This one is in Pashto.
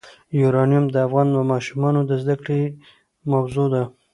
یورانیم د افغان ماشومانو د زده کړې موضوع ده.